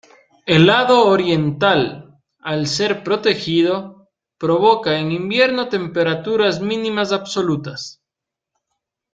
El lado oriental, al ser protegido, provoca en invierno temperaturas mínimas absolutas.